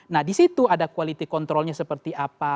nah disitu ada quality controlnya seperti apa